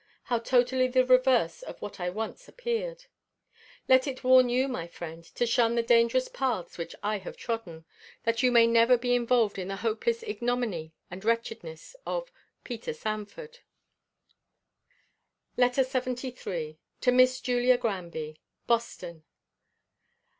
How totally the reverse of what I once appeared! Let it warn you, my friend, to shun the dangerous paths which I have trodden, that you may never be involved in the hopeless ignominy and wretchedness of PETER SANFORD. LETTER LXXIII. TO MISS JULIA GRANBY. BOSTON.